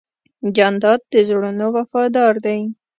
جانداد د زړونو وفادار دی.